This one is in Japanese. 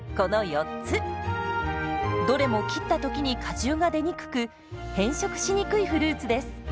どれも切った時に果汁が出にくく変色しにくいフルーツです。